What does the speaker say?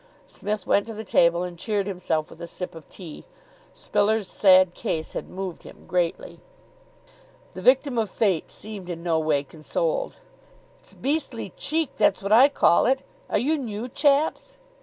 Psmith went to the table, and cheered himself with a sip of tea. Spiller's sad case had moved him greatly. The victim of Fate seemed in no way consoled. "It's beastly cheek, that's what I call it. Are you new chaps?"